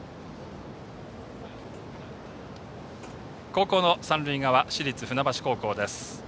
後攻の三塁側、市立船橋高校です。